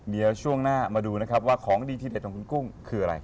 เดี๋ยวช่วงหน้ามาดูนะครับว่าของดีที่เด็ดของคุณกุ้งคืออะไร